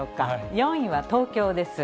４位は東京です。